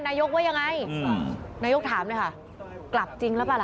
นายกว่ายังไงนายกถามเลยค่ะกลับจริงหรือเปล่าล่ะ